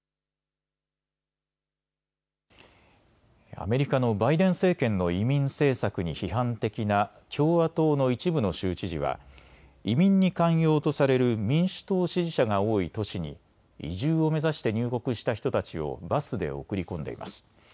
アメリカのバイデン政権の移民政策に批判的な共和党の一部の州知事は移民に寛容とされる民主党支持者が多い都市に移住を目指して入国した人たちをバスで送り込んでいます。